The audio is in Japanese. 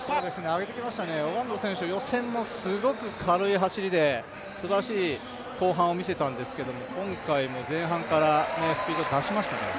上げてきましたね、オガンド選手、予選もすごく軽い走りですばらしい後半を見せたんですけれども、今回も前半からスピード出しましたね。